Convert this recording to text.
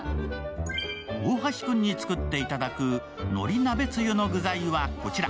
大橋君に作っていただくのり鍋つゆの具材はこちら。